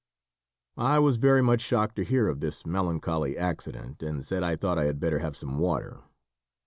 I was very much shocked to hear of this melancholy accident, and said I thought I had better have some water.